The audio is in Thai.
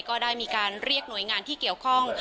ก็ได้มีการเรียกหน่วยงานที่เกี่ยวข้อง